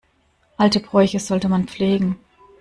Alte Bräuche sollte man pflegen.